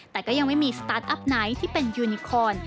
แต่ก็ยังไม่มีสตาร์ทอัพไหนที่เป็นยูนิคอน